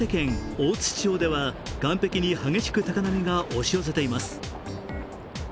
大槌町では岸壁に激しく高波が押し寄せています。